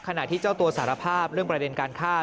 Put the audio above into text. ขณะที่เจ้าตัวสารภาพเรื่องประเด็นการฆ่า